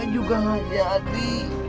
juga gak jadi